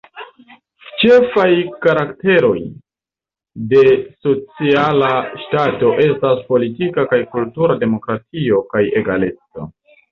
Ĉefaj karakteroj de Sociala Ŝtato estas politika kaj kultura demokratio kaj egaleco.